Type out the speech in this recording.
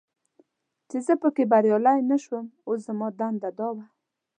چې زه پکې بریالی نه شوم، اوس زما دنده دا وه.